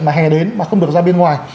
mà hè đến mà không được ra bên ngoài